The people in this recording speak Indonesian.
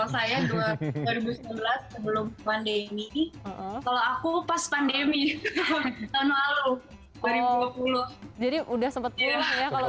saya dua ribu sembilan belas sebelum pandemi kalau aku pas pandemi tahun lalu dua ribu dua puluh jadi udah sempetnya ya kalau